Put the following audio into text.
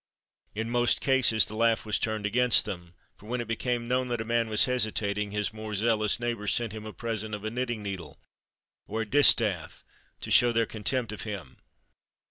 In most cases the laugh was turned against them; for when it became known that a man was hesitating, his more zealous neighbours sent him a present of a knitting needle or a distaff, to shew their contempt of him.